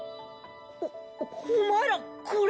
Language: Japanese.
おお前らこれ。